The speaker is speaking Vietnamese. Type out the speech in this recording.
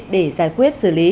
để giải quyết